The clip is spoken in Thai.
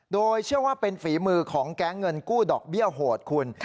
โดยเชื่อว่าเป็นฝีมือของแก๊งเงินกู้ดอกเบี้ยโหดคุณ